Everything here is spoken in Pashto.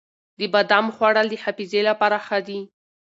د بادامو خوړل د حافظې لپاره ښه دي.